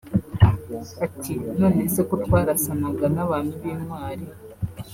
ati “None se ko twarasanaga n’abantu b’ intwari